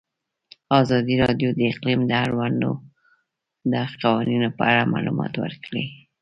ازادي راډیو د اقلیم د اړونده قوانینو په اړه معلومات ورکړي.